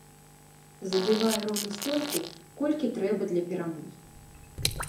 Забівае роўна столькі, колькі трэба для перамогі.